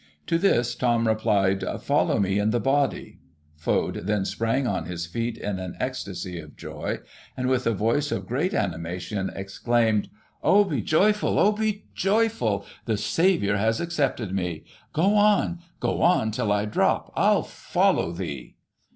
To this Thom replied :" Follow me in the body." Foad then sprang on his feet in an ecstasy of joy, and, with a voice of great animation, exclaimed :" Oh, be joyful! Oh, be joyful! The Saviour has accepted me. Go on— go on, till I drop, I'll follow thee!